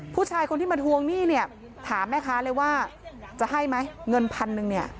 ผู้ชายคนที่มาทวงหนี้เนี่ยถามแม่ค้าเลยว่าจะให้มั้ยเงิน๑๐๐๐บาท